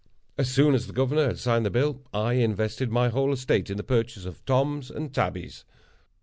As soon as the governor had signed the bill, I invested my whole estate in the purchase of Toms and Tabbies.